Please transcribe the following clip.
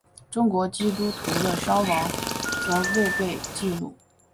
中国基督徒的伤亡则未被记录。